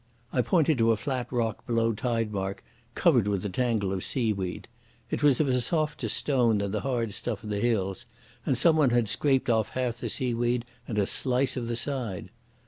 I pointed to a flat rock below tide mark covered with a tangle of seaweed. It was of a softer stone than the hard stuff in the hills and somebody had scraped off half the seaweed and a slice of the side.